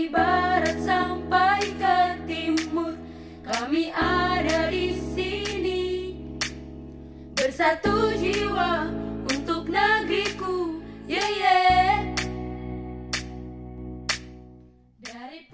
bersatu jiwa untuk negeriku